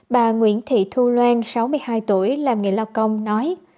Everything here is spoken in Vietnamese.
bà nguyễn thị thu loan sáu mươi hai tuổi làm nghề lao công nói